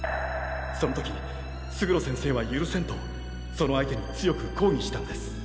その時勝呂先生は許せんとその相手に強く抗議したんです。